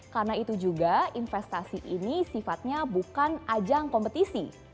karena itu juga investasi ini sifatnya bukan ajang kompetisi